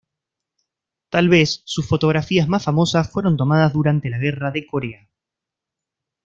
Tal vez sus fotografías más famosas fueron tomadas durante la Guerra de Corea.